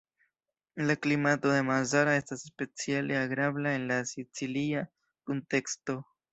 La klimato de Mazara estas speciale agrabla en la sicilia kunteksto.